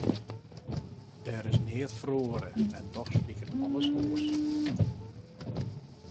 Der is neat feroare en dochs liket alles oars.